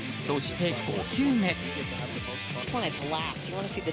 そして５球目。